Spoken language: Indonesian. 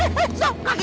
emang nggak jadi